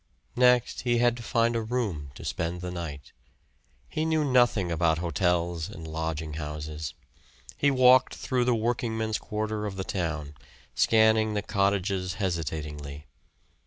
Next he had to find a room to spend the night. He knew nothing about hotels and lodging houses he walked through the workingmen's quarter of the town, scanning the cottages hesitatingly.